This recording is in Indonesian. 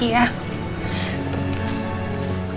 saya pergi ya